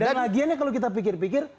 dan lagiannya kalau kita pikir pikir